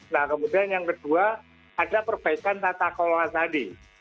nah kemudian yang kedua ada perbaikan tata kelola tadi